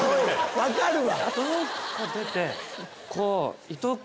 分かるわ！